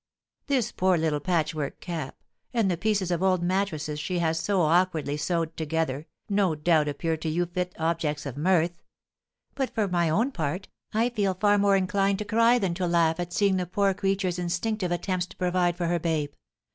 This poor little patchwork cap, and the pieces of old mattresses she has so awkwardly sewed together, no doubt appear to you fit objects of mirth; but, for my own part, I feel far more inclined to cry than to laugh at seeing the poor creature's instinctive attempts to provide for her babe.